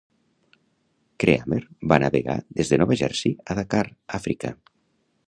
Creamer va navegar des de Nova Jersey a Dakar, Àfrica.